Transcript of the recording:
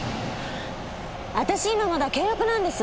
私今まだ契約なんです。